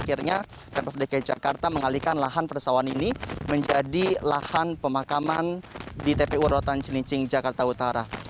akhirnya pemprov dki jakarta mengalihkan lahan persawahan ini menjadi lahan pemakaman di tpu rotan cilincing jakarta utara